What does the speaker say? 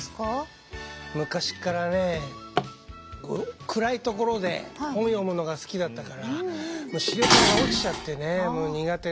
昔っからね暗い所で本読むのが好きだったから視力が落ちちゃってねもう苦手になったのよ。